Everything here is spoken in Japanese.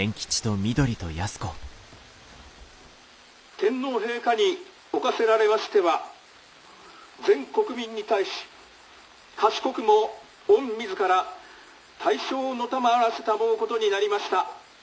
「天皇陛下におかせられましては全国民に対し畏くも御自ら大詔をのたまわらせたもうことになりました。